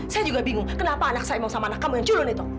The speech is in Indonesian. saya juga bingung kenapa anak saya mau sama anak kamu yang culun itu